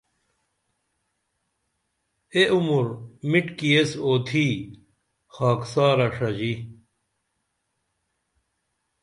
اے عمر مِٹکی ایس اوتھی خاکسارہ ݜژی